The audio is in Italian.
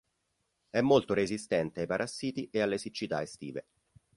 È molto resistente ai parassiti e alle siccità estive.